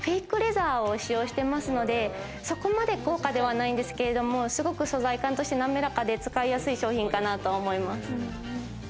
フェイクレザーを使用していますので、そこまで高価ではないんですけれど、すごく素材感として滑らかで、使いやすい商品だと思います。